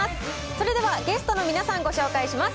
それではゲストの皆さん、ご紹介します。